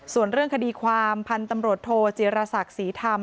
ส่วนเรื่องคดีความพันธุ์ตำรวจโทจีรศักดิ์ศรีธรรม